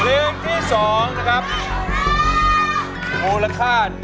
เพลงที่เจ็ดเพลงที่แปดแล้วมันจะบีบหัวใจมากกว่านี้